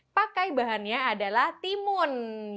pakai bahannya adalah timun